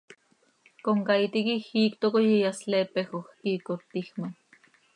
Comcaii tiquij iicto coi iyasleepejoj, quiicot tiij ma.